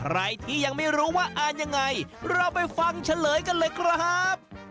ใครที่ยังไม่รู้ว่าอ่านยังไงเราไปฟังเฉลยกันเลยครับ